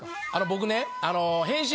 僕ね